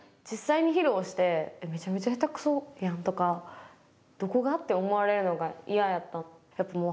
実際に披露してめちゃめちゃ下手くそやんとかどこがって思われるのが嫌やった。